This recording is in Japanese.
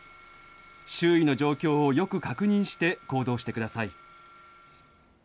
周囲の状況をよく確認して行動してください。